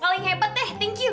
paling hebat deh think you